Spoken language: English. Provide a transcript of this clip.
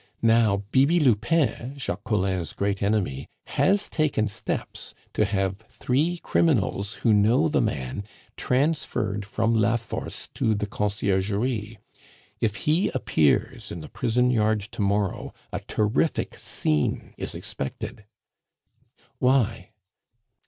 Now, Bibi Lupin, Jacques Collin's great enemy, has taken steps to have three criminals, who know the man, transferred from La Force to the Conciergerie; if he appears in the prison yard to morrow, a terrific scene is expected " "Why?"